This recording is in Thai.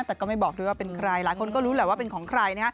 แต่ก็ไม่บอกด้วยว่าเป็นใครหลายคนก็รู้แหละว่าเป็นของใครนะฮะ